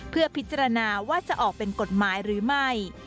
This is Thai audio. เพื่อพิจารณาว่าจะออกเป็นกฎหมายหรือไม่